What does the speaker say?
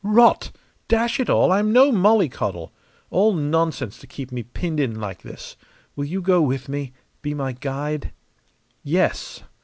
"Rot! Dash it all, I'm no mollycoddle! All nonsense to keep me pinned in like this. Will you go with me be my guide?" "Yes!"